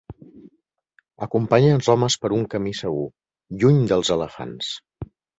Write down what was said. Acompanya els homes per un camí segur, lluny dels elefants.